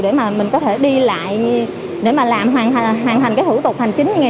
để mà mình có thể đi lại để mà làm hoàn thành cái thủ tục hành chính như